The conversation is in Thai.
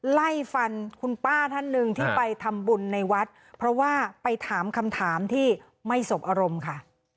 ไล่ฟันคุณป้าท่านหนึ่งที่ไปทำบุญในวัดเพราะว่าไปถามคำถามที่ไม่สบอารมณ์ค่ะ